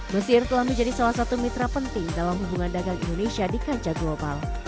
mesir telah menjadi salah satu mitra penting dalam hubungan dagang indonesia di kancah global